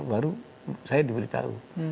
baru saya diberitahu